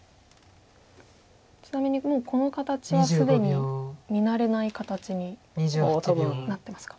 ちなみにもうこの形は既に見慣れない形になってますか。